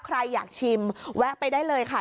ใครอยากชิมแวะไปได้เลยค่ะ